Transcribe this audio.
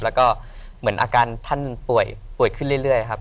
แล้วก็เหมือนอาการท่านป่วยขึ้นเรื่อยครับ